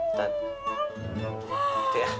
gak jadi naikin harga